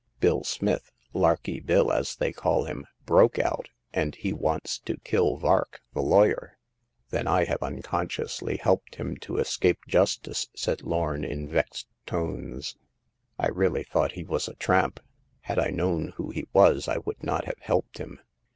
Bill Smith— Larky Bill as they call him— broke out, and he wants to kill Vark, the lawyer/' Then I have unconsciously helped him to escape justice," said Lorn, in vexed tones. *' I really thought he was a tramp ; had I known who he was I would not have helped him.